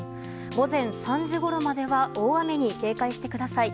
午前３時ごろまでは大雨に警戒してください。